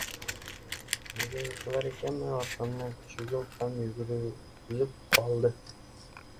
Nega yiqilar ekanman! Orqamdan kuchugim ham yugurgilab qoldi.